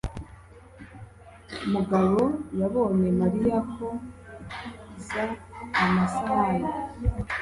mugabo yabonye Mariya koza amasahani